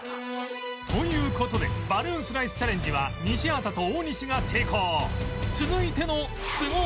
という事でバルーンスライスチャレンジは西畑と大西が成功